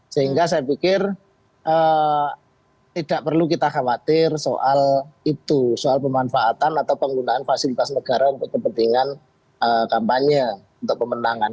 sehingga saya pikir tidak perlu kita khawatir soal itu soal pemanfaatan atau penggunaan fasilitas negara untuk kepentingan kampanye untuk pemenangan